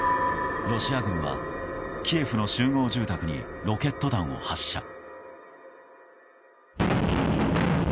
ロシア軍は、キエフの集合住宅にロケット弾を発射。